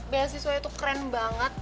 beasiswanya tuh keren banget